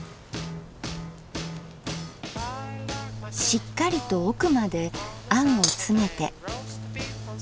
しっかりと奥まであんを詰めて。